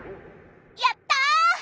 やった！